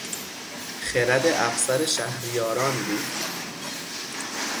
خرد افسر شهریاران بود.